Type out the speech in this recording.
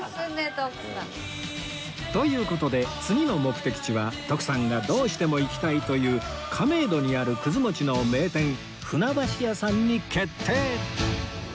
という事で次の目的地は徳さんがどうしても行きたいという亀戸にあるくず餅の名店船橋屋さんに決定！